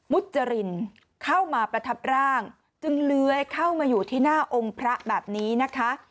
มุจรินเข้ามาประทับร่างจึงเลื้อยเข้ามาอยู่ที่หน้าองค์พระแบบนี้นะคะ